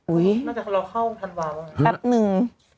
อุ๊ยแป๊บหนึ่ง